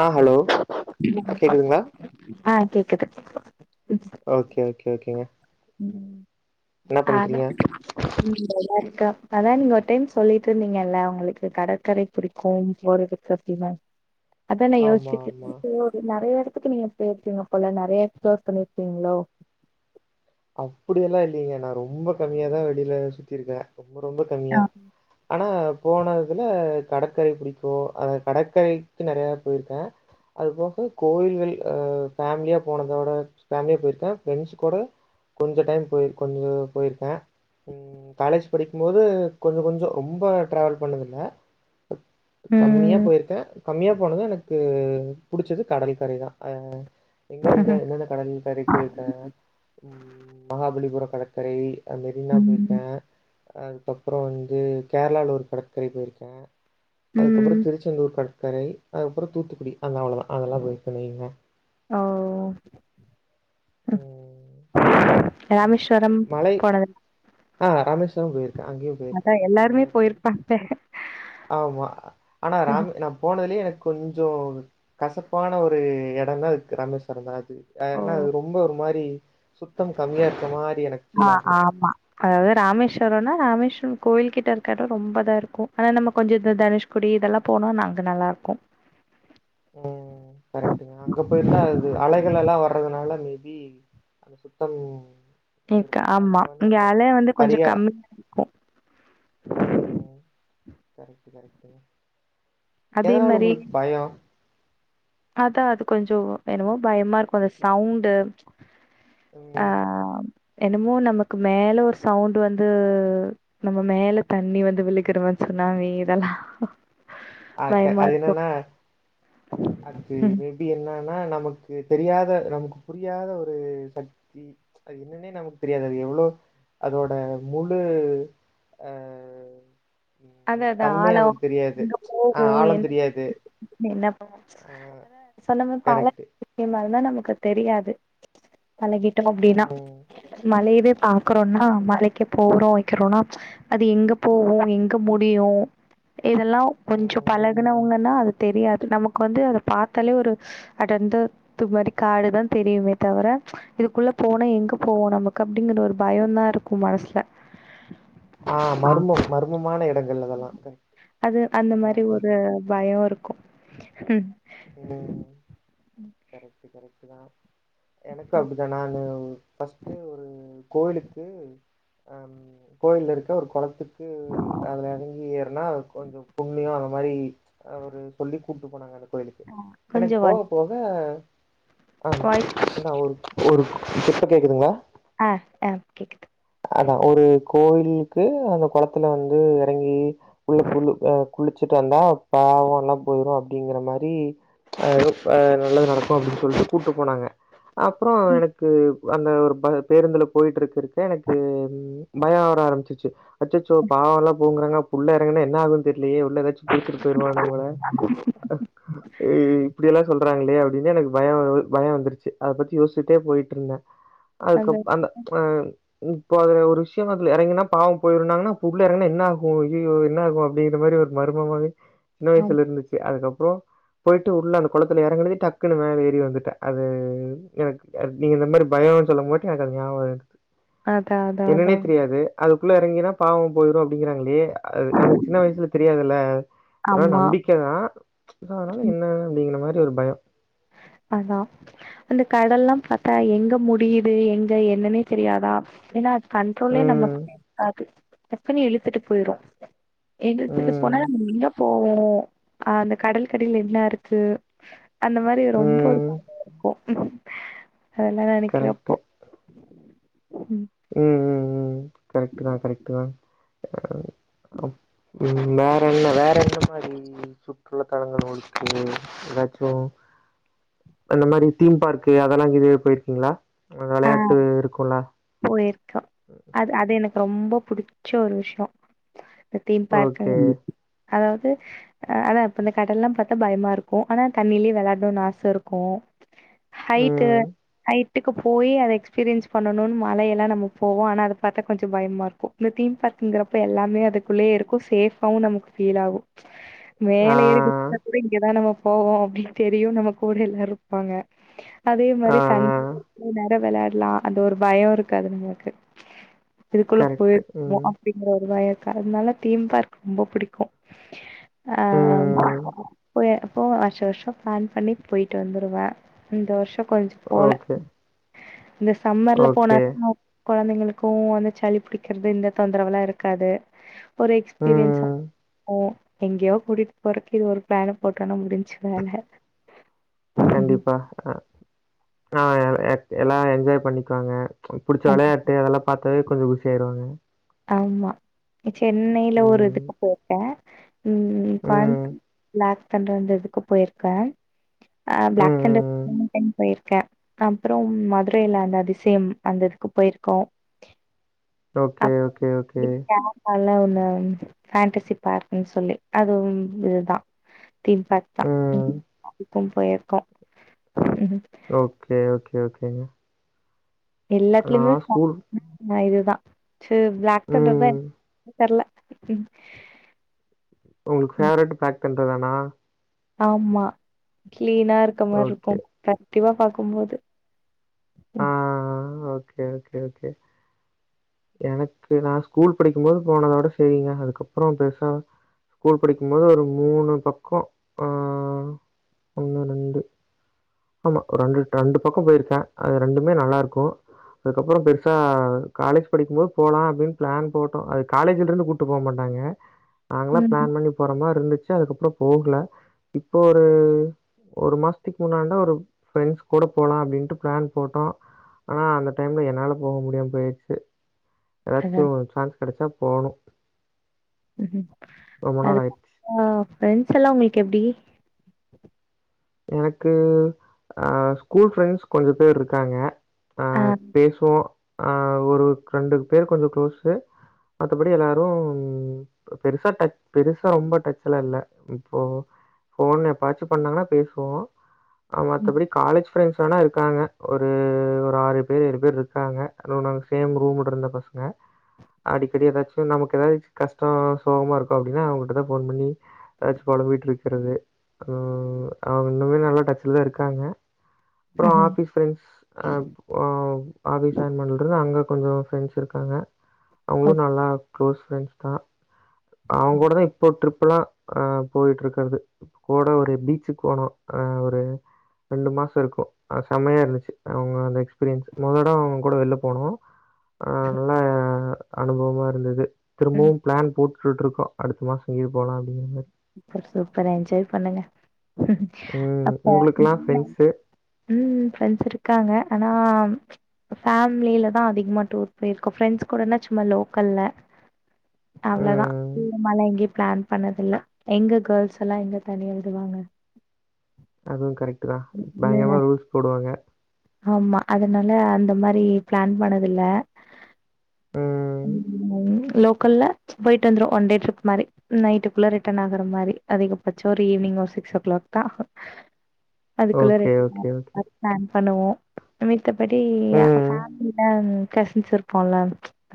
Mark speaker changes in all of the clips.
Speaker 1: ஆ hello கேக்குதுங்களா
Speaker 2: ஆ கேக்குது
Speaker 1: ஓக்கே ஓக்கே ஓக்கேங்க
Speaker 2: ம் ஆதா [unintelligible] ட அதா நீங்க ஒரு டைம் சொல்லீட்ருந்தீங்கல்ல உங்களுக்கு கடற்கரை புடிக்கும் [unintelligible] அத்தா நா
Speaker 1: ஆமா
Speaker 2: யோசுச்சிட்டு இருக்கே
Speaker 1: ஆமா
Speaker 2: இப்போ நெறைய எடத்துக்கு நீங்க பேப்பீங்க போல நெறைய எக்ஸ்ப்ளோர் பண்ணிர்க்கீங்ளோ
Speaker 1: அப்டியெல்லா இல்லீங்க நா ரொம்ப கம்மியாதா வெளில சுத்திருக்க ரொம்ப ரொம்ப கம்மியா
Speaker 2: ஆ
Speaker 1: ஆனா போன இதுல கடற்கரை புடிக்கோ அ கடற்கரைக்கு நறைய போய்ருக்க அது போக கோயில்கள் அ ஃபேமிலியா போனதோட ஃபேமிலியா பொய்ர்க்க ஃப்ரெண்ட்ஸ் கூட கொஞ்சம் டைம் போயிருக்கோம் நியோ போயிருக்கேன் ம் காலேஜ் படிக்கும் மோது கொஞ்சம் கொஞ்சம் ரொம்ப டிராவல் பண்ணதில்ல கம்மியா
Speaker 2: ம்
Speaker 1: போயிருக்கேன் கம்மியா போனது எனக்கு கு புடிச்சது கடல் கரை தான் ஆ எங்கந்த என்னென்ன கடல் கரைக்கு போயிருக்கன் ம் மகாபலிபுர கடற்கரை ஆஹ் மெரினா
Speaker 2: ம்
Speaker 1: போயிருக்கேன் அதுக்கப்புறம் வந்து கேரளல ஒரு கடற்கரை போயிருக்கேன்
Speaker 2: ம்
Speaker 1: அதுக்கப்புறம் திருச்செந்தூர் கடற் கரை அதுக்கப்புறம் தூத்துக்குடி அந்த அவ்ளோதான் அதெல்லாம் போயிருக்கன் நீங்க
Speaker 2: ஓ
Speaker 1: உஹம்
Speaker 2: ராமேஸ்வரம் போனதுல்
Speaker 1: ஆஹ் ராமேஸ்வரம் போயிரு க்கன் அங்கியும்
Speaker 2: அதா
Speaker 1: போயிருக்கன் அங்க
Speaker 2: எல்லாருமே
Speaker 1: ஒரு டைம்
Speaker 2: போயிருப்பாங்க
Speaker 1: ஆமா ஆனா ராமே நான் போனதுலயே எனக்கு கொஞ்சம் கசப்பான ஒரு எடன்னா அதுக்கு ராமேஸ்வரம் தான் ஏனா
Speaker 2: ஓ
Speaker 1: அது ரொம்ப ஒரு மாரி சுத்தம் கம்மியா இருக்க மாரி எனக்கு
Speaker 2: ஆ
Speaker 1: பீல் ஆகும்
Speaker 2: ஆமா அதாவது ராமேஸ்வரம்னா ராமேஸ்வரம் கோயில்கிட்ட இருக்க எடம் ரொம்ப தான் இருக்கும் ஆனா நம்ம கொஞ்சம் இத தனுஷ்குடி இதெல்லாம் போனோனா அங்க நல்லா இருக்கும்
Speaker 1: ம் கரெக்ட்டுங்க அங்க பி அந்த சுத்தம்
Speaker 2: இருக்க
Speaker 1: எதிர்பார்க்கலா
Speaker 2: ஆமா
Speaker 1: வந்து
Speaker 2: இங்க
Speaker 1: அந்த
Speaker 2: அல வந்து கொஞ்சம்
Speaker 1: பரியா
Speaker 2: கம்மியா இருக்கும்
Speaker 1: கரெட்டு கரெட்டு எதனால உங்களுக்கு பயம்
Speaker 2: அதான் அது கொஞ்சம் என்னமோ பயமா இருக்கும் அந்த சவுண்டு
Speaker 1: ம்
Speaker 2: ஆஹ் என்னமோ நமக்கு மேல ஒரு சவுண்ட் வந்து நம்ம மேல தண்ணி வந்து விளுகறமன்னு சொன்னா இதெல்லாம்
Speaker 1: ஆக்க அது என்னன்னா அது
Speaker 2: ம்
Speaker 1: மேபி என்னா னா நமக்கு தெரியாத நமக்கு புரியாத ஒரு சக்தி அது என்னன்னே நமக்கு தெரியாது அது எவ்ளோ அதோட முலு ஆஹ்
Speaker 2: அது
Speaker 1: ஏனா
Speaker 2: அது
Speaker 1: தன்மை
Speaker 2: ஆழம்
Speaker 1: நமக்கு தெரியாது
Speaker 2: எங்க
Speaker 1: ஆஹ் ஆழம் தெரியாது ஆ
Speaker 2: அதான் சொன்ன மாரி பாள
Speaker 1: கரெக்ட்டு
Speaker 2: [inaudible] மல ஆனா நமக்கு தெரியாது பலகிட்டோ அப்டின்னா
Speaker 1: ம்
Speaker 2: மலைய வே பாக்றோன்னா மலைக்கு போறோ வைக்கிறோன்னா அது எங்க போவோ எங்க க முடியு இதெல்லாம் கொஞ்ச
Speaker 1: ம்
Speaker 2: பழகுனவங்கன்னா அது தெரியாது நமக்கு வந்து அத பாத்தாலே ஒரு அடந்து மாரி காடுதா தெரியுமே தவிர இதுக்குள்ள போனா எங்க போவோம் நமக்கு அப்டிங்குற ஒரு பயம்தா இருக்கும் மனசுல
Speaker 1: ஆ மருமே மருமம்
Speaker 2: அது அந்த
Speaker 1: அதா
Speaker 2: மாரி
Speaker 1: வார்த்த
Speaker 2: ஒரு
Speaker 1: சொன்னே.
Speaker 2: பயம் இருக்
Speaker 1: ம் கரெக்ட் கரெக்ட தா எனக்கு அப்படிதா நானு ஃபர்ஸ்ட்டு ஒரு கோயிலுக்கு அஹ் கோயில்ல இருக்க ஒரு குளத்துக்கு ம் ம் அதில எறங்கி ஏற்னா கொஞ்சம் புண்ணியம் அந்த மாரி ஒரு சொல்லி கூட்டு போனாங்க எடத்துக் கோயிலுக்கு எனக்கு
Speaker 2: கொஞ்சோ
Speaker 1: போக
Speaker 2: வாய்
Speaker 1: போ த ஆ
Speaker 2: வாய்
Speaker 1: என்ன ஊரு ஊருக்கு இப்ப கேக்குதுங்களா
Speaker 2: ஆ ஆ கேக்குது
Speaker 1: அதா ஒரு கோயிலுக்கு அந்த குளத்துல வந்து இறங்கி உள்ளு குள்ளு ய குளிச்சுட்டு வந்தா பாவம்ல்லாம் போயிரு அப்டிங்கிற மாரி அ ஆ நல்லது நடக்கும் அப்டின்னு சொல்லிட்டு கூப்டு போனாங்க அப்பறம் எனக்கு அந்த ஒரு ப பேருந்துல போயிட்டு இருக் இருக்க எனக்கு பயம் வர ஆரம்ச்சிருச்சி அச்சச்சோ பாவம்ல்லா போகுங்கறாங்க அப்ப உள்ள இறங்கன்னா என்ன ஆவும்ன்னு தெரிய இல்லயே ஏதாச்சும் புடிச்சட்டு போயிருமா நம்பள இ இப்டியல்லா சொல்றாங்களே அப் இதுலயே எனக்கு பயம் பயம் வந்துருச்சி அத பத்தி யோசிச்சிட்டே போயிட்டு இருந்தே
Speaker 2: அது
Speaker 1: அதுக்குப் அந்த அ இப்போ அதுல ஒரு விஷயம் அதுல இறங்கினா பாவம் போயிருந்தாங்கன்னா அப்ப உள்ள இறங்னா என்ன ஆகும் ஐய்யயோ என்ன ஆகும் அப்படிங்கிற மாரி ஒரு மர்மமாவே சின்ன
Speaker 2: ஆம்
Speaker 1: வய்சுல இர்ந்துச்சு அதுக்கப் அப்றோ போயிட்டு உள்ள அந்த குளத்துல இறங்கனதையு டக்குன்னு மேலே ஏறி வந்துட்டே அது எனக்கு நீங்க இந்த மாரி பயம்னு சொல்லும்போ காட்டியு எனக்கு அது ஞாபகம் இருக்குது
Speaker 2: அதா அதா அதா
Speaker 1: என்னன்னே தெரியாது அது குள்ள எறங்கினா பாவம் போயிரும் அப்டிங்கிறாங்களே அது நமக்கு சின்ன வய்சுல தெரியாதுல்ல அதனால
Speaker 2: ஆமா
Speaker 1: நம்பிக்க தா அதனால
Speaker 2: ம்
Speaker 1: என்ன அப்டிங்கிற மாரி ஒரு பயம்
Speaker 2: அதா அந்த கடல்லா பார்த்தா எங்க முடியுது எங்க என்னன்னே தெரியாதா ஏனா கண்ட்ரோலே நம
Speaker 1: ம்
Speaker 2: கக்காது டக்குனு இழுத்துட்டு போயிரு எழுத்துட்டு
Speaker 1: ம்
Speaker 2: போன எங்க போவோ அந்த கடல் கடில என்ன இருக்கு அந்த மாரி ரொம்ப ஒரு
Speaker 1: ம்
Speaker 2: பய இருக்கு அன்இன்டெலிஜபிள் அதெல்லா நெனைக்கிற அப்போ
Speaker 1: உம் உம் உம் உங் கரெக்ட்டு தா கரெக்டு தா அம் உம் வேற என்ன வேற என்ன மாதிரி சுற்றுலா தலங்கள் ஒக்கு ஏதாச்சு அந்த மாதிரி தீம் பார்க்கு அதெல்லா கீதவே போயிருக்கீங்களா விளையாட்டு இருக்குலா
Speaker 2: ஆ போயிருக்கோ அது அது எனக்கு ரொம்ப புடிச்ச ஒரு விஷ்யோ தீம் பார்க்
Speaker 1: ஓகே
Speaker 2: அதாவது அதா இப்ப இந்த கடல்லா பாத்தா பயமா இருக்கு ஆனா தண்ணியிலேயே விளாடணும்னு ஆச இருக்கு ஹயிட்டு
Speaker 1: ம்
Speaker 2: அயிட் ட்டுக்கு போயு அதை எக்ஸ்பீரியன்ஸ் பண்ணணும்னு மலையெல்லா நம்ம போவோ ஆனா அதை பாத்தா கொஞ்சோ பயமா இருக்கும் இந்த தீம் பாாரத்துங்கிறப்ப எல்லாமே அதுக்குள்ளே இருக்கு சேஃபாவு நமக்கு ஃபீல் ஆகும் மேல
Speaker 1: ஆ
Speaker 2: ஏறி குதிச்சா கூட இங்கதான் நம்ம போவோ அப்படினு தெரியும் நம்ம கூட எல்லா இருப்பாங்க அதே
Speaker 1: ஆ
Speaker 2: மாரி தண்ணி
Speaker 1: ஆ
Speaker 2: நேர விளையாடலா அது ஒரு பயம் இருக்காது உங்களுக்கு இதுக்குள்ள
Speaker 1: கரெக்ட்
Speaker 2: போயிருக்கு
Speaker 1: ம்
Speaker 2: அப்டிங்கற ஒரு பய அதனால தீம் பார்க் ரொம்ப பிடிக்கு ஆஹ்
Speaker 1: ம்
Speaker 2: போ போ வருஷ வருஷோம் பிளான் பண்ணி போயிட்டு வந்துடுவே இந்த வருஷோ கொஞ்சு போல
Speaker 1: ஓகே
Speaker 2: இந்த சம்மர்ல போனா
Speaker 1: ஓகே
Speaker 2: தா கொழந்தைங்களுக்கு வந்து சளி புடிக்கிறது இந்த தொந்தரவுல்லா இருக்காது ஒரு எக்ஸ்பீரியன்ஸ்
Speaker 1: ம்
Speaker 2: ஆகு எங்யோ கூட்டிட் போறக்கு இது ஒரு ப்ளேன போட்டனா முடிஞ்சு வேல
Speaker 1: கண்டிப்பா அ அ ஏக் எல்லா என்ஜாய் பண்ணிக்கோங்க புடிச்ச விளயாட்டு அதெல்லா பாத் ப்வே கொஞ்ச குஷி ஆயிருவாங்க
Speaker 2: ஆமா சென்னைல ஒரு
Speaker 1: ம்
Speaker 2: இதுக்கு போட்ட ம்
Speaker 1: ம்
Speaker 2: கோய்ம்து ப்ளேக் தண்ட அந்த இதுக்கு போய்ர்க்க அ
Speaker 1: ம்.
Speaker 2: ப்ளேக் தண்டர்
Speaker 1: ம்.
Speaker 2: மூணு டைம் போய்ருக் க அப்றோ மதுரைல அந்த அதிசியம் அந்த இதுக்கு போயிருக்கோ
Speaker 1: ஓக்கே ஓக்கி கே ஓகே
Speaker 2: அதுல ஒன்னு பேண்டசி பார்க்குன் சொல்லி அதும் இதுதா தீம் பார்க்தா
Speaker 1: ம்.
Speaker 2: ககும் போயிருக்கோ
Speaker 1: ஓக்கே ஓக்கே கே ஓகே
Speaker 2: எல்லாத்லியுமே
Speaker 1: நான் ஸ்கூல்
Speaker 2: [inaudible] இதுதா சு ப்ளேக் தண்டர்தா
Speaker 1: ம்.
Speaker 2: என் தெர்ல
Speaker 1: உங்ளுக்கு பேவ்ரட் பேக் தெண்ருதானா
Speaker 2: ஆம்மா க்ளீனா இருக்க மாருக்கு
Speaker 1: ஓகே.
Speaker 2: க டிவா பாக்கும்போது ம்
Speaker 1: ம் ஓகே ஓகே ஓகே எனக்கு நா ஸ்கூல் படிக்கும்போது போனத விட சேரிங்க அதுக்கப்புறோ பெருசா ஸ்கூல் படிக்கும்போது ஒரு மூணு பக்கோ அ ஒன்னு ரெண்டு ஆமா ஒரு ரெண்டு ரெண்டு பக்கு போயிருக்கே அது ரெண்டுமே நல்லாருக்கு அதுக்கப்புறம் பெருசா காலேஜ் படிக்குபோது போலா அப்டின் பிளான் போட்டோ அது காலேஜுலருந்து கூட்டு போமாட்டாங்க நாங்ளா
Speaker 2: ம்
Speaker 1: ப்ளான் பண்ணி போற மார்ருந்துச்சு அதுக்கப் கூட போகுல இப்போ ஒரு ஒரு மாஸ்த்துக்கு முன்னடா ஒரு ப்ரெண்ட்ஸ் கூட போலா அப்டின்யிட்டு பிளான் போட்டோ ஆனா அந்த டைம்ல என்னால போக முடியாம் போயிருச்சு எதாச்சு
Speaker 2: அதா
Speaker 1: சான்ஸ் கெடச்சா போணும் ரொம்ப நாள்
Speaker 2: அதுக்
Speaker 1: ஆயிருச்சு.
Speaker 2: அப்றோ ஃப்ரெண்ஸெல்லா உங்ளுக் கு எப்டி
Speaker 1: எனக்கு அஹ் ஸ்கூல் ஃப்ரெண்ட்ஸ் கொஞ்சோ பேர் இருக்காங்க
Speaker 2: ஆ
Speaker 1: ஆஹ் பேஸ்வோ ஆஹ் ஒருக் ரெண்டு பேர் கொஞ்சோ க்ளோஸு மத்தபடி எல்லாரும் பெருசா டச் பெருசா ரொம்போ டச்சில்லா இல்ல இப்போ ஃபோன் எப்பச்சி பண்ணாங்ன்னா பேசி ப்போ ஆஹ்
Speaker 2: ம்
Speaker 1: மத்தபடி காலேஜ் ஃப்ரெண்ட்ஸ் வேணா இருக்காங்க ஒரு ஒரு ஆறு பேர் ஏழு பேர் இருக்காங்க அதும் நாங்க சேம் ரூமுட் இருந்த பசங்க அடிக்கடி ஏதாச்சும் நமக்கு ஏதாச்சி கஷ்டோம் சோகமாக இருகோ அப்டின்னா அவங்கிட்ட தான் ஃபோன் பண்ணி ஏதாச்சி பொலம்பிட்ருக்குறது அவங்க இன்னுமே நல்லா டச்சில தான் இருக்காங்க அப்றோம்
Speaker 2: ம்
Speaker 1: ஆபிஸ் ஃப்ரெண்ட்ஸ் ஆப் ஆஹ் ஆபிஸ் ஜாயின் பண்றல இருந்து அங்க கொஞ்சோ ஃப்ரெண்ட்ஸ் இருக்காங்க அவங்களு
Speaker 2: ஓகே
Speaker 1: நல்லா க்ளோஸ் ஃப்ரெண்ட்ஸ் தா அவங்கூடதான் இப்போ ட்ரிப் ஃபுல்லா அஹ் போயிட்ருக்கறது கூட ஒரு பீச்சிக் போனோம் அஹ் ஒரு ரெண்டு மாசம் இருக்கும் ஆஹ் செம்மயா இருந்திச்சி அவ்ங்க அந்த எக்ஸ்பீரியன்ஸ் மொதட அவ்ங்க கூட வெள்ல போனோம் ஆஹ் நல்லா அனுபவமா இருந்தது
Speaker 2: ம்
Speaker 1: திரும்புவும் பிளான் போட் டுட்டு இருக்கோ அடுத்த மாதம் எங்கீ போலாம் அப்டிங்க மாரி
Speaker 2: சூப்பரு சூப்பர் எஞ்ஜாய் பண்ணுங்க
Speaker 1: ம்.
Speaker 2: அப்ப
Speaker 1: உங்களுக்கெல்லாம்
Speaker 2: [unintelligible]
Speaker 1: ஃப்ரெண்ட்ஸு.
Speaker 2: உம் ம் ஃப்ரெண்ட்ஸ் இருக்காங்க ஆனா ஆஹ் ஃபேம்லிலதான் அதிகமா டூர் போயிர்க்கோ ஃப்ரெண்ட்ஸ் கூடனா சும்மா லோக்கல்ல அவ்ளதா
Speaker 1: ம்.
Speaker 2: தூர்மாலா எங்கி பிளான் பண்ணதில்ல எங்க கேள்ஸெல்லா எங்க தனியா விடுவாங்க
Speaker 1: அதுவும் கரெக்ட் டுதான் பயிங்கரமா ரூல்ஸ் போடுவாங்க
Speaker 2: ஆமா அதனால அந்த மாரி பிளான் பண்ணதில்ல
Speaker 1: ம்.
Speaker 2: [inaudible] லோக்கல்ல போயிட்டு வந்று ஒன் டே ட்ரிப் மாரி நைட்டுக்குள்ள ரிட்டர்ன் ஆகற மாரி அதிக பச்சோ ஒரு ஈவினிங் ஒரு சிக்ஸ் ஓ கிளாக் தான் அதுக்குள்ள
Speaker 1: ஓகே, ஓகே, ஓகே.
Speaker 2: ரிட்டன் [unintelligible] பண்ணுவோ இன்னிக் மத்தபடி ஆஹ்
Speaker 1: ம்.
Speaker 2: ஃபேம்லில கசின்ஸ் இருப்பால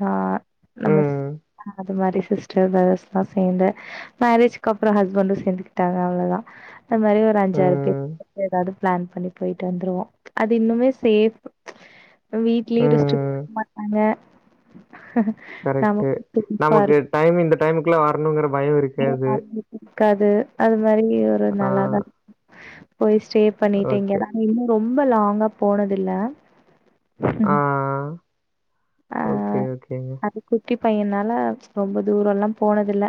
Speaker 2: ஆஹ் நம்ம
Speaker 1: ம்.
Speaker 2: அ மாரி சிஸ்டர் பிரதர்ஸ்லா சேந்து மேரேஜ்க்கு அப்ரோ ஹஸ்பண்டு சேந்துக்கிட்டாங்க அவ்ளோதா அது மாரி ஒரு அஞ்சாறு பேர்
Speaker 1: ம்.
Speaker 2: எதாது பிளான் பண்ணி போய்ட்டு வந்ருவோ அது இன்னுமே சேஃப் வீட்லயு ரெஸ்ட்
Speaker 1: ம்.
Speaker 2: குடுக்கமாட்டாங்க ஹ
Speaker 1: கரெக்ட்டு நமக்கு
Speaker 2: இருக்கு
Speaker 1: டைம் இந்த டைமுக்குல்லா வரணுங்ற பயோ இருக்காது
Speaker 2: இருக்காது அது அ மாரி ஒரு
Speaker 1: ஆ
Speaker 2: நல்லாதா பொய் ஸ்டே பண்ணிட்டு
Speaker 1: ஓகே.
Speaker 2: இங்கதா நின்னு ரொம்ப ரொம்ப லாங்கா போனது இல்ல
Speaker 1: ஆ ஓகே,
Speaker 2: ஆஹ்
Speaker 1: ஓகேங்க.
Speaker 2: அது குட்டி பைய்யனால ரொம்ப தூரோல்லா போனதுல்ல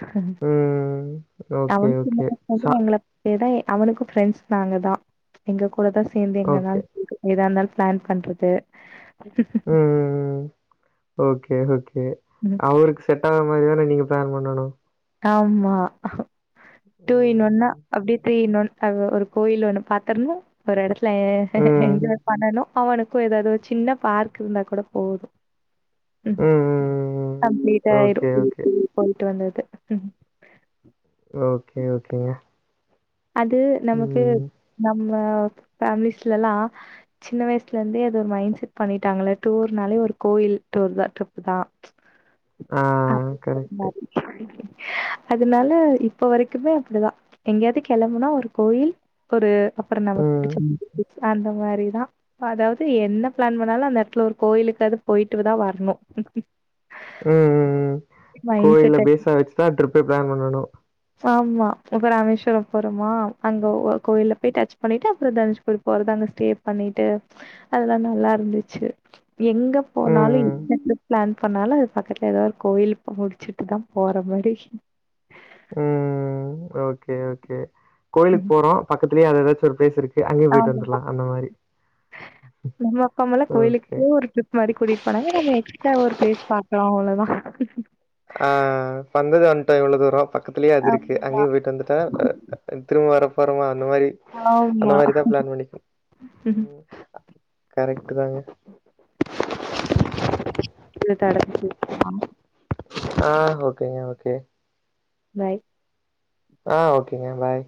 Speaker 2: ஆஹா
Speaker 1: ம். ஓகே,
Speaker 2: அவனு
Speaker 1: ஓகே.
Speaker 2: சும்மா
Speaker 1: ச
Speaker 2: எங்கள [unintelligible] அவனுக்கு ஃப்ரெண்ட்ஸ் நாங்க தா எங்க கூட கூடதா சேந்து
Speaker 1: ஓகே.
Speaker 2: எங்கனாலு எதருந்தாலு பிளான் பண்றது ஹ ஹ ஹ
Speaker 1: ம். ஓகே ஓகே ஒகே அவருக்கு செட் ஆகுற மாரி தானே நீங்க பிளான் பண்ணணு
Speaker 2: ஆமா டூ இன்னொன்னா
Speaker 1: ம்.
Speaker 2: அப்டியே த்ரீ இன் ஒன் அது ஒரு கோயில் ஒன்னு பாத்தேன்ல ஒரு எடத்துல ல
Speaker 1: ம்.
Speaker 2: என்ஜாய் பண்ணனு அவனுக்கோ ஏதாவது ஒரு சின்ன பார்க் இருந்தா கூட போது உம்
Speaker 1: ம், ம், ம்.
Speaker 2: கம்ப்ளீட்டாய்டு
Speaker 1: ஓகே, ஓகே.
Speaker 2: போயிட்டு வந்தது ம் ம்
Speaker 1: ஓகே ஓகேங்க
Speaker 2: அது நமக்கு
Speaker 1: ம்.
Speaker 2: நம் ஃபேம்லிஸ்லலா சின்ன வய்சுல இருந்தே அது ஒரு மைண்ட் செட் பண்ணிட்டாள டூர்னாலே ஒரு கோயில் டூர் தா ட்ரிப்தா
Speaker 1: ஆ
Speaker 2: அப்டிங்குற
Speaker 1: கரெக்ட்டு.
Speaker 2: மாதுரி அதனால இப்ப வரக்குமே அப்டிதா எங்யாது களம்புனா ஒரு கோயில் ஒரு அப்புற நமக்
Speaker 1: ம்.
Speaker 2: புடிச்ச அந்த மாரிதா அதாவ்து என்ன ப்ளான் பண்ணாலு அந்தஎடத்துல ஒரு கோயிலுக்காவ்து போயிட்டுதா வர்ணு
Speaker 1: ம் ம் கோயில
Speaker 2: செட்
Speaker 1: பேசா வச்சுதா ட்ரிப்பே ப்ளான் பண்ணனு
Speaker 2: ஆமா இப்ப ராமேஸ்வரோ போறோமா அங்க ஒரு கோயில்ல போய் டச் பண்ணிட்டு அப்ற தனுஷ்கோரி போறது அங்க ஸ்டே பண்ணிட்டு அதெல்லா நல்லாருந்துச்சு எங்க
Speaker 1: ம்,
Speaker 2: போனாலு
Speaker 1: ம்.
Speaker 2: இந்தந்த ப்ளான் பனாலு அது பக்கத்ல ஏதா ஒரு கோயில் முடிச்சுட்டு தா போற மாரி
Speaker 1: ம் ம் ஓகே ஓகே கோயிலுக் போறோ பக்கத்லியே அது எதாச் சர் பேசிருக்கு
Speaker 2: அவ்ளோதா நம்ம அப்பாமலா
Speaker 1: ஓகே.
Speaker 2: கோய்லுக்கே ஒரு ட்ரிப் மாரி கூட்டிட் போனாங்க நம்ம எக்ஸ்ட்ராவா ஒரு ப்ளேஸ் பாக் அவ்ளோதா
Speaker 1: டோ இவ்ளோ தூரோ கத்துலயே அது இருக்கு
Speaker 2: ஆமா
Speaker 1: அங்யே போயிட்டு வந்துட்டா திரும்ப வர வருமா அந்த மாரி அந்த
Speaker 2: ஆமா
Speaker 1: மாரி தா ப்ளான் பண்ணிப்ப கரைக்ட்டு தாங்க
Speaker 2: [unintelligible]
Speaker 1: அ ஓகேங்க ஓகே
Speaker 2: பாய்
Speaker 1: ஆ ஓகேங்க பாய்